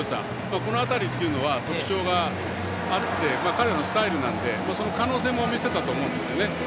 この辺りっていうのは特徴があって彼のスタイルなのでその可能性も見せたと思うんですよね。